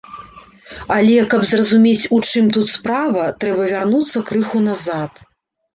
Але, каб зразумець, у чым тут справа, трэба вярнуцца крыху назад.